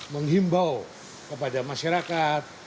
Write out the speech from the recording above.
menghimbau kepada masyarakat